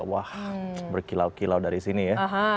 wah berkilau kilau dari sini ya